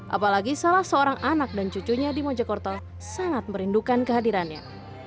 apalagi salah seorang anak dan cucunya di mojokerto sangat merindukan kehadirannya